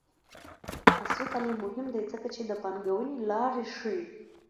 عصري تعلیم مهم دی ځکه چې د پانګونې لارې ښيي.